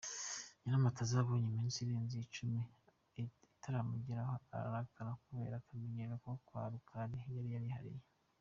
Nyiramataza abonye iminsi irenze icumi ataramugeraho, ararakara kubera akamenyero ko kwa Rukali yari yarihariye.